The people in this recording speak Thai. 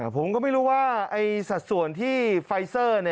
ผมก็ไม่รู้ว่าสัดส่วนที่ไฟเซอร์